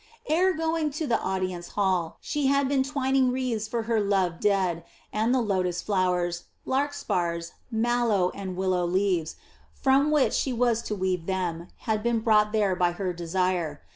Ere going to the audience hall, she had been twining wreaths for her loved dead and the lotus flowers, larkspurs, mallow and willow leaves, from which she was to weave them, had been brought there by her desire.